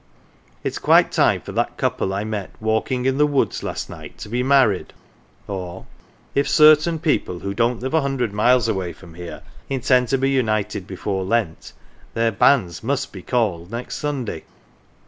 " It is quite time for that couple I met walking in the woods last night to be married," or, " If certain people who don't live a hundred miles away from here intend to be united before Lent, their banns must be called next Sunday."